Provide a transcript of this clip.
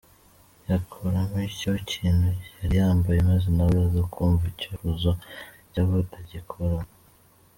yakuramo icyo kintu yari yambaye maze nawe aza kumva icyifuzo cyabo agikuramo.